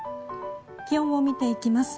気温を見ていきます。